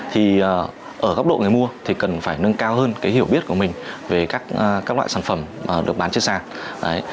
thì ở góc độ người mua thì cần phải nâng cao hơn cái hiểu biết của mình về các loại sản phẩm được bán trên sàn